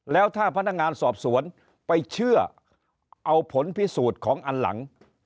แล้วถ้าพนักงานสอบสวนไปเชื่อเอาผลพิสูจน์ของอันหลัง